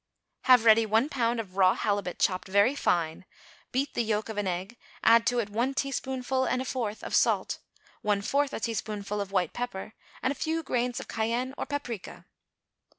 Have ready one pound of raw halibut chopped very fine; beat the yolk of an egg, add to it one teaspoonful and a fourth of salt, one fourth a teaspoonful of white pepper and a few grains of cayenne or paprica.